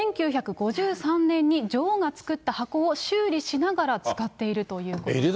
１９５３年に女王が作った箱を修理しながら使っているということです。